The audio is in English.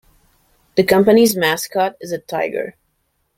The company's mascot is a tiger.